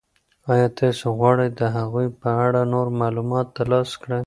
آیا تاسو غواړئ د هغوی په اړه نور معلومات ترلاسه کړئ؟